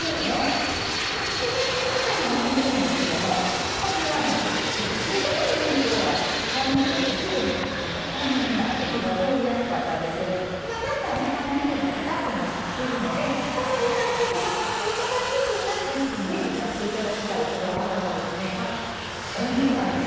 先にかたいもの炒めるんですけどもこちらほら新たまねぎの頃はたまねぎってわりとすぐに透明になって火が通りやすかったんですけど今だんだんねたまねぎがかたくなってきてるのでこのぐらいちょっとなかなか炒まりにくいなっていうときにぜひやって頂きたい裏技がですねお水なんです。